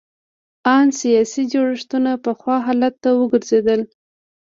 ان سیاسي جوړښتونه پخوا حالت ته وګرځېدل.